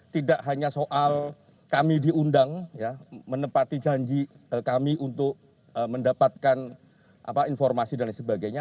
tidak hanya soal kami diundang menepati janji kami untuk mendapatkan informasi dan sebagainya